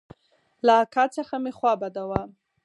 له اکا څخه مې خوا بده وه.